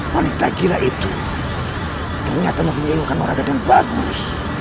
wanita gila itu ternyata mempunyai luka noraga yang bagus